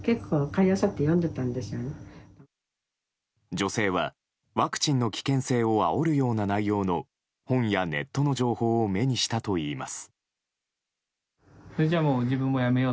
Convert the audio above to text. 女性は、ワクチンの危険性をあおるような内容の本やネットの情報を目にしたといいます。